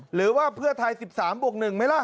หรือว่าเพื่อไทย๑๓บวก๑ไหมล่ะ